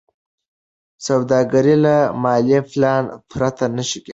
سوداګري له مالي پلان پرته نشي کېدای.